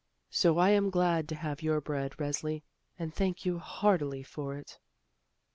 So I am glad to have your bread, Resli, and thank you heartily for it."